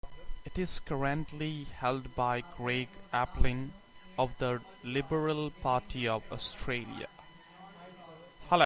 It is currently held by Greg Aplin of the Liberal Party of Australia.